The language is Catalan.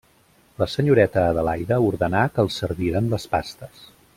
La senyoreta Adelaida ordenà que els serviren les pastes.